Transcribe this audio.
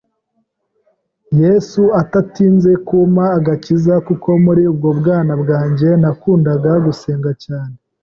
Yesu atatinze kumpa agakiza kuko muri ubwo bwana bwanjye nakundaga gusenga cyane